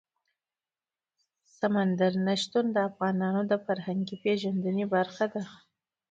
سمندر نه شتون د افغانانو د فرهنګي پیژندنې برخه ده.